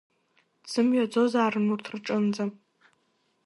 Дзымҩаӡозаарын урҭ рҿынӡа.